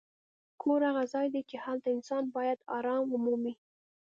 کور هغه ځای دی چې هلته انسان باید ارام ومومي.